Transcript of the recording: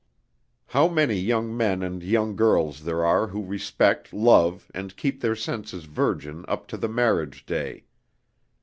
How many young men and young girls there are who respect love and keep their senses virgin up to the marriage day!